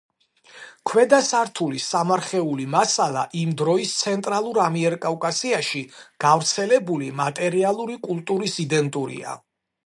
ქვედა სართულის სამარხეული მასალა იმ დროის ცენტრალურ ამიერკავკასიაში გავრცელებული მატერიალური კულტურის იდენტურია.